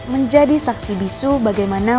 menjadi saksi bisu bagaimana